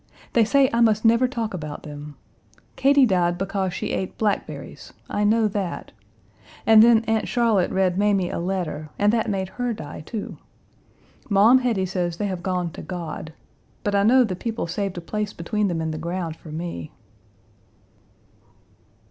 They say I must never talk about them. Katie died because she ate blackberries, I know that, and then Aunt Charlotte read Mamie a letter and that made her die, too. Maum Hetty says they have gone to God, but I know the people saved a place between them in the ground for me."